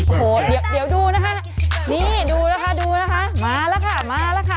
โอ้โหเดี๋ยวดูนะคะนี่ดูแล้วค่ะดูนะคะมาแล้วค่ะมาแล้วค่ะ